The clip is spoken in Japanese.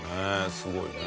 すごいね。